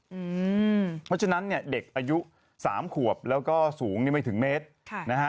เพราะฉะนั้นเนี่ยเด็กอายุ๓ขวบแล้วก็สูงนี่ไม่ถึงเมตรนะฮะ